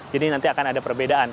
jadi nanti akan ada perbedaan